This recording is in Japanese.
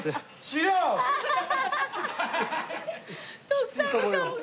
徳さんの顔が。